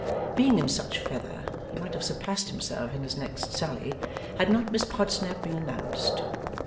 Being in such feather, he might have surpassed himself in his next sally, had not Miss Podsnap been announced.